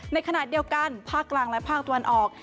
ในขณะเดียวกันภาคกลางและภาคตะวันออก